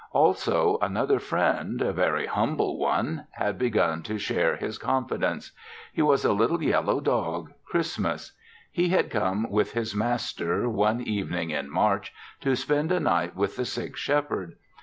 Also, another friend a very humble one had begun to share his confidence. He was the little yellow dog, Christmas. He had come with his master, one evening in March, to spend a night with the sick Shepherd.